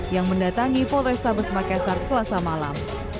yang mendatangi polres tabes makassar selasa malam